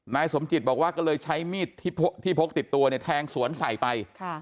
นายสมจิตบอกว่าก็เลยใช้มีดที่พกติดตัวเนี่ยแทงสวนใส่ไป